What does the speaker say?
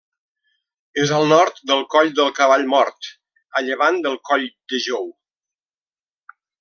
És al nord del Coll del Cavall Mort, a llevant del Coll de Jou.